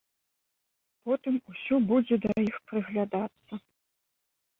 Потым усё будзе да іх прыглядацца.